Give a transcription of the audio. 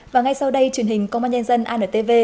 và ngay sau đây truyền hình công an nhân dân antv